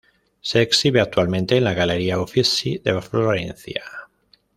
Se exhibe actualmente en la Galería Uffizi de Florencia.